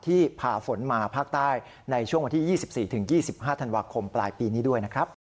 พาฝนมาภาคใต้ในช่วงวันที่๒๔๒๕ธันวาคมปลายปีนี้ด้วยนะครับ